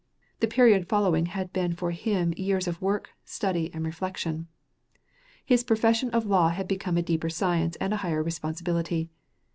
The period following had for him been years of work, study, and reflection. His profession of law had become a deeper science and a higher responsibility.